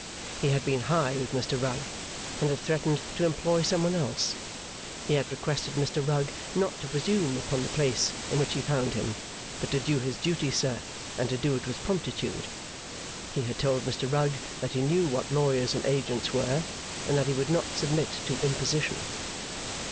He had been high with Mr Rugg, and had threatened to employ some one else. He had requested Mr Rugg not to presume upon the place in which he found him, but to do his duty, sir, and to do it with promptitude. He had told Mr Rugg that he knew what lawyers and agents were, and that he would not submit to imposition.